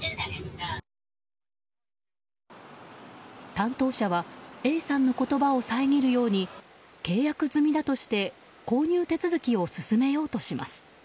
担当者はＡさんの言葉を遮るように契約済みだとして購入手続きを進めようとします。